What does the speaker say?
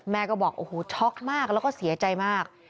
แม่ก็บอกโอ้โหช็อกมากแล้วก็เสียใจมาก